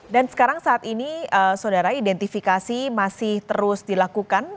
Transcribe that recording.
dan sekarang saat ini saudara identifikasi masih terus dilakukan